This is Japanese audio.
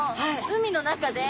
海の中で。